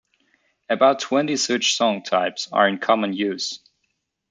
About twenty such song-types are in common use.